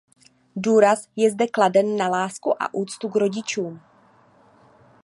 Důraz je zde kladen na lásku a úctu k rodičům.